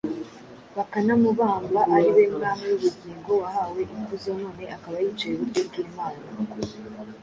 bakanamubamba ari we Mwami w’ubugingo, wahawe ikuzo none akaba yicaye iburyo bw’Imana.